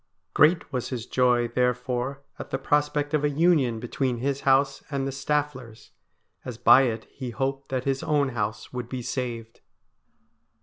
Great was his joy therefore at the prospect of a union between his house and the Stafflers, as by it he hoped that his own house would be saved.